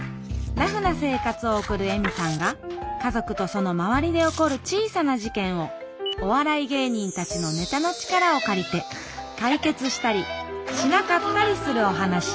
ラフな生活を送る恵美さんが家族とその周りで起こる小さな事件をお笑い芸人たちのネタの力を借りて解決したりしなかったりするお話